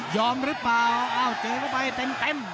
ยอมหรือเปล่าอ้าวเจ๊ก็ไปเต็ม